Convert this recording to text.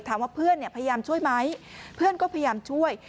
ถามว่าเพื่อนพยายามช่วยไหมเพื่อนก็พยายามช่วย